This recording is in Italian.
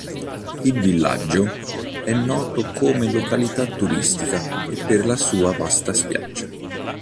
Il villaggio è noto come località turistica e per la sua vasta spiaggia.